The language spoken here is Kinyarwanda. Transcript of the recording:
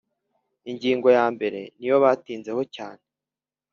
Ingingo ya mbere niyo batinzeho cyane